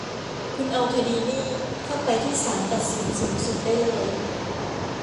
คุณเอาคดีนี่เข้าไปที่ศาลตัดสินสูงสุดได้เลย